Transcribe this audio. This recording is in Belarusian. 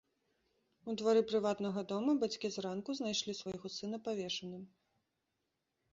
У двары прыватнага дома бацькі зранку знайшлі свайго сына павешаным.